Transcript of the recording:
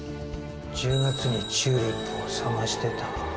１０月にチューリップを探してた。